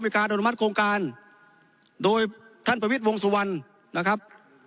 การอนุมัติโครงการโดยท่านประวิทย์วงสุวรรณนะครับ